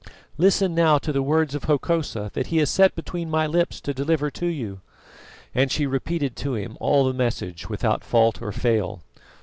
Listen now to the words of Hokosa that he has set between my lips to deliver to you" and she repeated to him all the message without fault or fail.